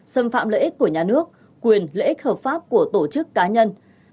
xâm phạm lợi ích của nhà nước quyền lợi ích hợp pháp của tổ chức cá nhân